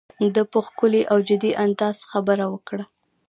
ده په ښکلي او جدي انداز خبره وکړه.